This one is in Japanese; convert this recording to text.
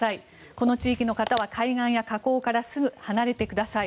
この地域の方は海岸や河口からすぐに逃げてください。